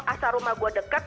asal rumah saya dekat